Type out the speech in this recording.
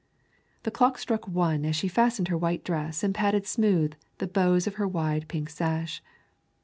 The clock struck one as she fastened her white dress and patted smooth the bows of her wide pink sash.